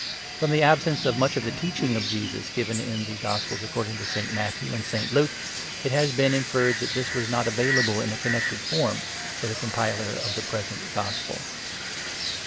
From the absence of much of the Teaching of Jesus given in ' The Gospels according to St. Matthew and St. Luke,' it has been inferred that this was not available in a connected form for the compiler of the present gospel.